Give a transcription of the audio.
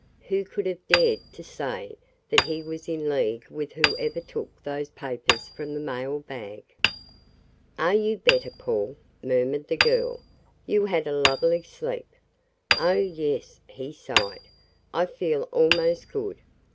Who could have dared to say that he was in league with whoever took those papers from the mailbag? "Are you better, Paul?" murmured the girl. "You had a lovely sleep." "Oh, yes," he sighed. "I feel almost good.